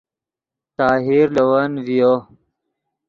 طاہر لے ون ڤیو